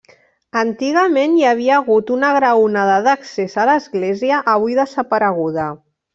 Antigament hi havia hagut una graonada d'accés a l'església avui desapareguda.